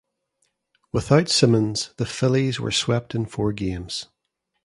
Without Simmons, the Phillies were swept in four games.